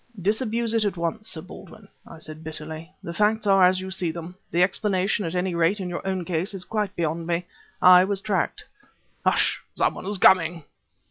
"Disabuse it at once, Sir Baldwin," I said bitterly. "The facts are as you see them; the explanation, at any rate in your own case, is quite beyond me. I was tracked ..." "Hush! some one is coming!"